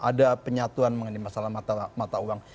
ada penyatuan mengenai masalah mata uang